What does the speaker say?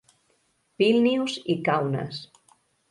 Vílnius i Kaunas.